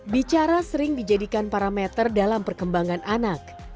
bicara sering dijadikan parameter dalam perkembangan anak